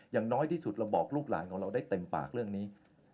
อย่างน้อยที่สุดเราบอกลูกหลานของเราได้เต็มปากเรื่องนี้